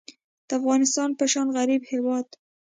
د افغانستان په شان غریب هیواد